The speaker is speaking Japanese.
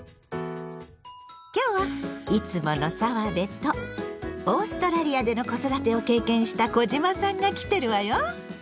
今日はいつもの澤部とオーストラリアでの子育てを経験した小島さんが来てるわよ。